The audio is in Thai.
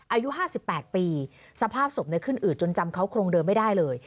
อายุ๕๘ปีสภาพศพขึ้นอืดจนจำเขาโครงเดิมไม่ได้เลย